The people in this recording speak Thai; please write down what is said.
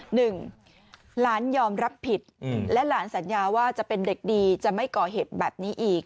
หลานยอมรับผิดและหลานสัญญาว่าจะเป็นเด็กดีจะไม่ก่อเหตุแบบนี้อีก